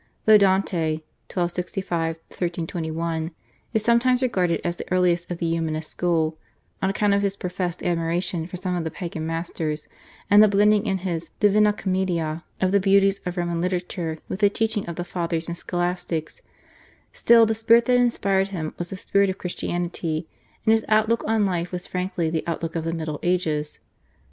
Though Dante (1265 1321) is sometimes regarded as the earliest of the Humanist school on account of his professed admiration for some of the Pagan masters and of the blending in his /Divina Comedia/ of the beauties of Roman literature with the teaching of the Fathers and Scholastics, still, the spirit that inspired him was the spirit of Christianity, and his outlook on life was frankly the outlook of the Middle Ages.